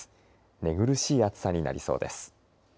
寝苦しい暑さになりそうです。